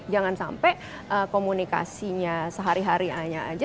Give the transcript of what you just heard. jangan sampai komunikasinya sehari hari aja